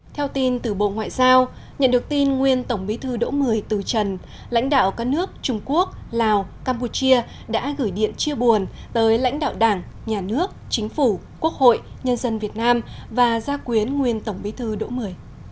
theo tin từ bộ ngoại giao nhận được tin nguyên tổng bí thư đỗ mười từ trần lãnh đạo các nước trung quốc lào campuchia đã gửi điện chia buồn tới lãnh đạo đảng nhà nước chính phủ quốc hội nhân dân việt nam và gia quyến nguyên tổng bí thư đỗ mười